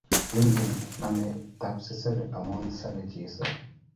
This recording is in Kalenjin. Igen name tabtabten amu sabei Jesu